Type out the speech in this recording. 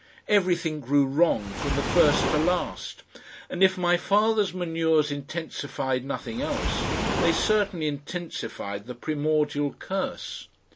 Everything grew wrong from the first to last, and if my father's manures intensified nothing else, they certainly intensified the Primordial Curse.